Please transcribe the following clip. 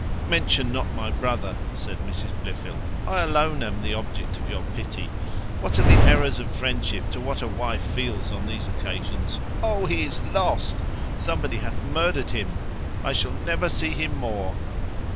"Mention not my brother," said Mrs Blifil; "I alone am the object of your pity. What are the terrors of friendship to what a wife feels on these occasions? Oh, he is lost! Somebody hath murdered him I shall never see him more!"